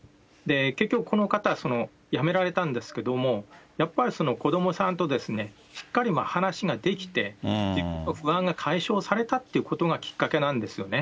結局この方、辞められたんですけれども、やっぱり子どもさんとしっかり話ができて、自分の不安が解消されたということがきっかけなんですよね。